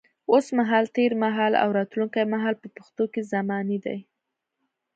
اوس مهال، تېر مهال او راتلونکي مهال په پښتو کې زمانې دي.